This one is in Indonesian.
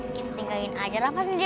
kita tinggalkan aja rafa sendiri